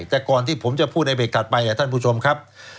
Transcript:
แต่ก่อนที่ผมจะพูดในเบรกถัดไปท่านผู้ชมครับ